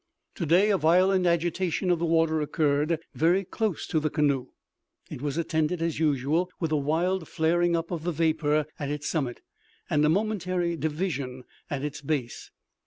Today a violent agitation of the water occurred very close to the canoe. It was attended, as usual, with a wild flaring up of the vapor at its summit, and a momentary division at its base.